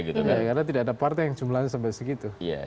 karena tidak ada partai yang jumlahnya sampai segitu